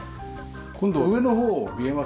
今度は上の方見えますね。